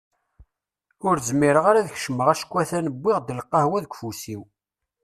Ur zmireɣ ara ad d-kecmeɣ acku a-t-an wwiɣ-d lqahwa deg ufus-iw.